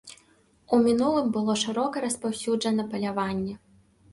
У мінулым было шырока распаўсюджана паляванне.